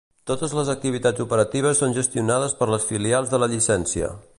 Totes les activitats operatives són gestionades per les filials de la llicència.